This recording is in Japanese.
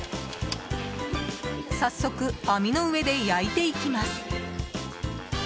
早速、網の上で焼いていきます。